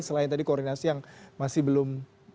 selain tadi koordinasi yang masih belum